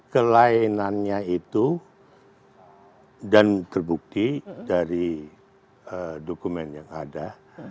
kelainannya itu dan terbukti dari dokumen yang ada